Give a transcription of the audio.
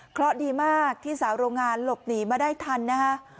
เพราะดีมากที่สาวโรงงานหลบหนีมาได้ทันนะฮะ